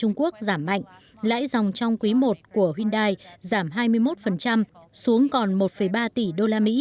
trung quốc giảm mạnh lãi dòng trong quý i của hyundai giảm hai mươi một xuống còn một ba tỷ usd